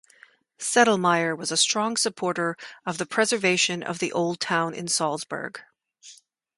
Sedlmayr was a strong supporter of the preservation of the old town in Salzburg.